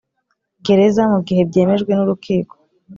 Gereza mu gihe byemejwe n urukiko